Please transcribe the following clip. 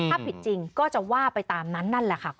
ถ้าผิดจริงก็จะว่าไปตามนั้นนั่นแหละค่ะ